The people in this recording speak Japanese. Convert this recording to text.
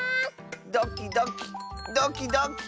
ドキドキドキドキ。